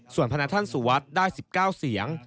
ส่วนพนักท่านสุวัสดิ์ได้๑๙เสียง